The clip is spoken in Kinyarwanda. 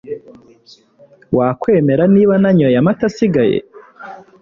Wakwemera niba nanyoye amata asigaye?